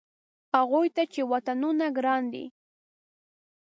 هغوی ته چې وطنونه ګران دي.